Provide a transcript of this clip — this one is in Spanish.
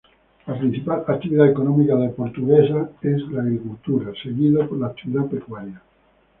La principal actividad económica de Portuguesa es la agricultura, seguida por la actividad pecuaria.